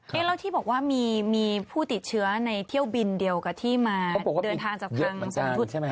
แล้วที่บอกว่ามีผู้ติดเชื้อในเที่ยวบินเดียวกับที่มาเดินทางจากทางชุดใช่ไหม